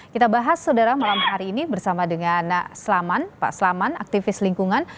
kita bahas saudara malam hari ini bersama dengan selamat pak selamat aktivis lingkungan